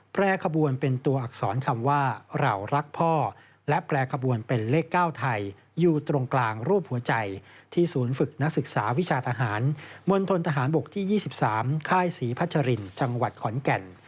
แปรขบวนเป็นตัวอักษรคำว่าเรารักพ่อและแปรขบวนเป็นเลข๙ไทยอยู่ตรงกลางรูปหัวใจที่ศูนย์ฝึกนักศึกษาวิชาทหารมณฑนทหารบกที่๒๓ค่ายศรีพัชรินจังหวัดขอนแก่น